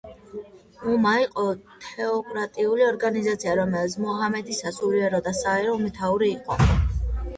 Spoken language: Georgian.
უმა იყო თეოკრატიული ორგანიზაცია, რომელშიც მუჰამედი სასულიერო და საერო მეთაური იყო.